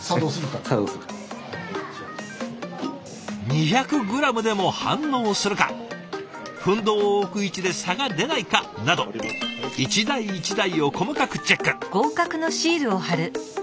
２００ｇでも反応するか分銅を置く位置で差が出ないかなど一台一台を細かくチェック。